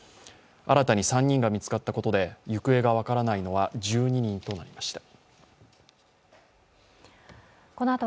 新たに３人が見つかったことで行方が分からないのは１２人となりました。